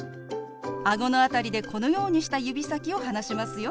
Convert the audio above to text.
あごの辺りでこのようにした指先を離しますよ。